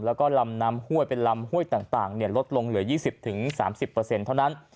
แล้วก็ลำน้ำห้วยเป็นลำห้วยต่างลดลงเหลือ๒๐๓๐เท่านั้น